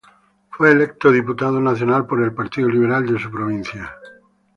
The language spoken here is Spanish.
Fue electo diputado nacional por el partido liberal de su provincia.